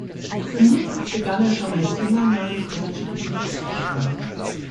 Vermutlich begann er schon als junger Mann deutsche Gedichte zu schreiben.